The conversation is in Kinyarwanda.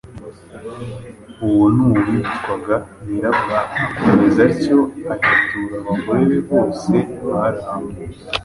Uwo ni uwitwaga Niraba. Akomeza atyo ahetura abagore be bose bari aho.